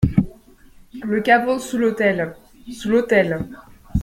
Le caveau sous l'autel ! Sous l'autel.